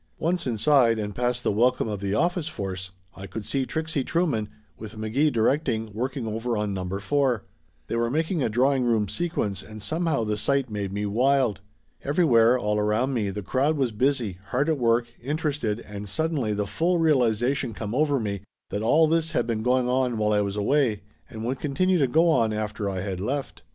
Once inside, and past the welcome of the office force, I could see Trixie Trueman, with McGee directing, working over on Number Four. They were making a drawing room sequence, and somehow the sight made me wild. Everywhere, all around me, the crowd was busy, hard at work, interested, and suddenly the full realization come over me that all this had been going on while I was away and would continue to go on after I had left.